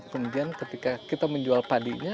kemudian ketika kita menjual padinya